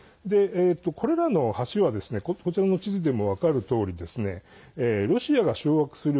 これらの橋はこちらの地図でも分かるとおりロシアが掌握する